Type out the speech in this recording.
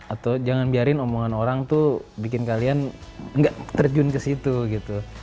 atau jangan biarin omongan orang tuh bikin kalian nggak terjun ke situ gitu